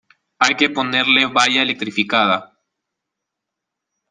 Hay que ponerle valla electrificada.